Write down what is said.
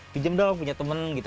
pinjam dong punya temen gitu